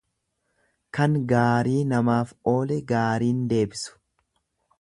Kan gaarii namaaf oole gaariin deebisu.